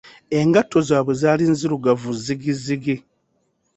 Engatto zaabwe zaali nzirugavu zzigizigi!